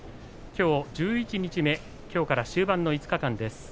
きょう十一日目きょうから終盤の５日間です。